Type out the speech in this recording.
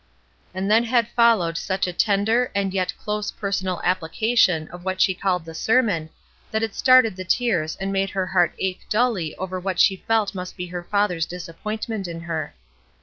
And then had followed such a tender and yet close personal application of what she called the sermon, that it started the tears and made her heart ache dully over what she felt must be her father's disappointment in her.